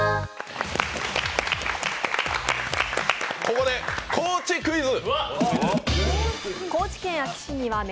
ここで高知クイズ！